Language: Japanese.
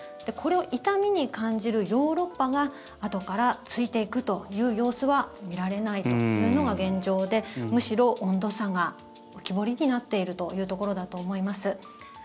これを痛みに感じるヨーロッパが後からついていくという様子は見られないというのが現状でむしろ温度差が浮き彫りになっているというところだと思います。